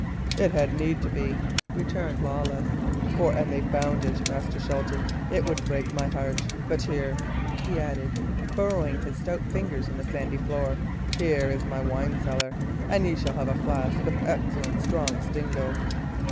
"It had need to be," returned Lawless, "for an they found it, Master Shelton, it would break my heart. But here," he added, burrowing with his stout fingers in the sandy floor, "here is my wine cellar; and ye shall have a flask of excellent strong stingo."